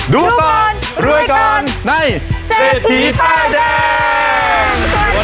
ดูก่อนรวยก่อนในเศรษฐีป้ายแดง